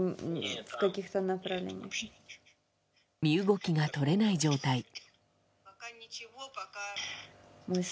身動きが取れない状態。